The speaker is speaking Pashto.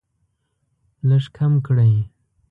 لږ کم کړئ